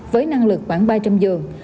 với năng lực khoảng ba trăm linh giường